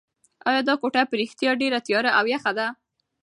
ایا دا کوټه په رښتیا ډېره تیاره او یخه ده؟